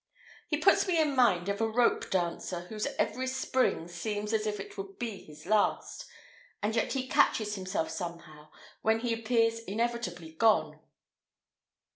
He puts me in mind of a rope dancer, whose every spring seems as if it would be his last, and yet he catches himself somehow when he appears inevitably gone.